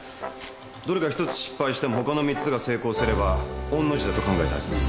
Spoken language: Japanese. どれかひとつ失敗してもほかの三つが成功すれば御の字だと考えたはずです。